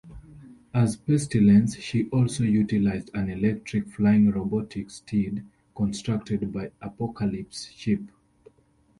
As Pestilence, she also utilized an electric flying robotic steed constructed by Apocalypse's Ship.